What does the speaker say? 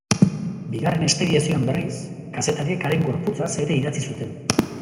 Bigarren espedizioan berriz, kazetariek haren gorputzaz ere idatzi zuten.